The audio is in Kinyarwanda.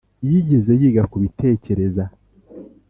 yigeze yiga kubitekereza